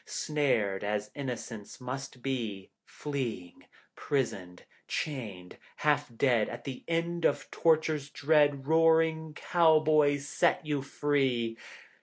Snared as innocence must be, Fleeing, prisoned, chained, half dead— At the end of tortures dread Roaring cowboys set you free.